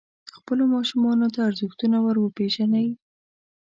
خپلو ماشومانو ته ارزښتونه وروپېژنئ.